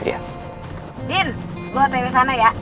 din gue nanti kesana ya